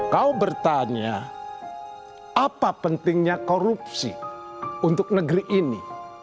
kau bertanya apa pentingnya korupsi untuk negeri ini